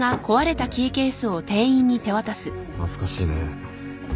懐かしいね。